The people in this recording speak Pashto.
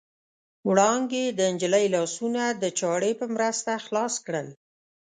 وړانګې د نجلۍ لاسونه د چاړې په مرسته خلاص کړل.